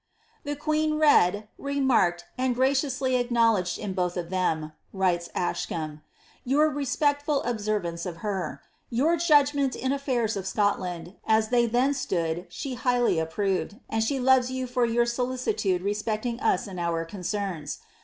^ The queen read, remarked, and graciously acknowledged in both of them," writes Ascham, ^ your respectful oIh lervance of her. Your judgment in tlie affiirs of Scotland, as they iheo stood, she highly approved, and she loves you for your solicitude respecting us and our concerns.